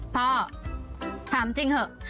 พ่อถามจริงเถอะ